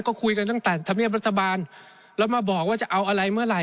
ก็คุยกันตั้งแต่ธรรมเนียบรัฐบาลแล้วมาบอกว่าจะเอาอะไรเมื่อไหร